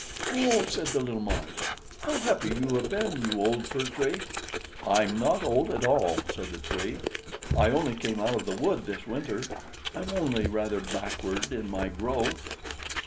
"Oh!" said the little Mice, "how happy you have been, you old Fir Tree!" "I'm not old at all," said the Tree. "I only came out of the wood this winter. I'm only rather backward in my growth."